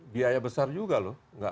biaya besar juga loh